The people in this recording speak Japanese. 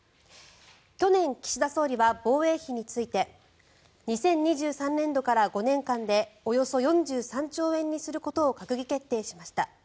去年、岸田総理は防衛費について２０２３年度から５年間でおよそ４３兆円にすることを閣議決定しました。